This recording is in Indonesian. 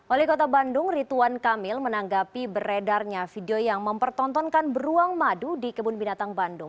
oleh kota bandung rituan kamil menanggapi beredarnya video yang mempertontonkan beruang madu di kebun binatang bandung